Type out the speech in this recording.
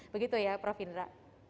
begitu ya prof indra